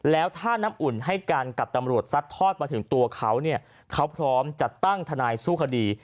แล้วถ้าน้ำอุ่นให้การกับตำรวจซัดทอดมาถึงตัวเขาเนี่ยเขาพร้อมจะตั้งทนายสู้คดี